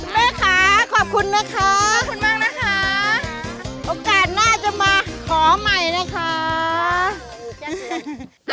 นะคะขอบคุณนะคะขอบใจก่อนนะคะเด้ออากาศหน้าจะมาขอใหม่นะคะ